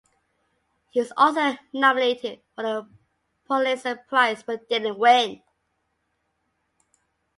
He was also nominated for the Pulitzer prize but didn't win.